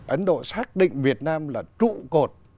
ấn độ xác định việt nam là trụ cột